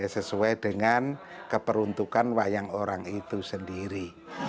sesuai dengan keperuntukan wayang orang itu sendiri